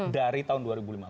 dari tahun dua ribu lima belas